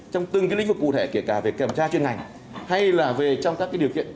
trong từng lĩnh vực cụ thể kể cả về kiểm tra chuyên ngành hay là về trong các điều kiện